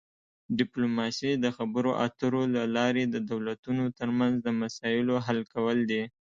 ډیپلوماسي د خبرو اترو له لارې د دولتونو ترمنځ د مسایلو حل کول دي